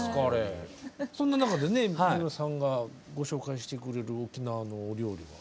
そんな中でね三浦さんがご紹介してくれる沖縄のお料理は。